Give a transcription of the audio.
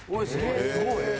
すごい！